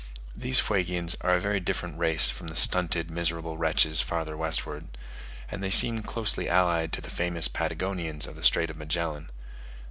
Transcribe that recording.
These Fuegians are a very different race from the stunted, miserable wretches farther westward; and they seem closely allied to the famous Patagonians of the Strait of Magellan.